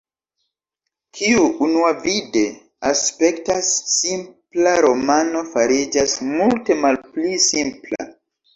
Kio unuavide aspektas simpla romano, fariĝas multe malpli simpla.